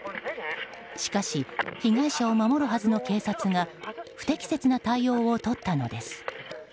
しかし、被害者を守るはずの警察が不適切な対応をとったのです。